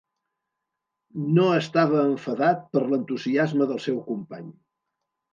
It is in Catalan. No estava enfadat per l'entusiasme del seu company.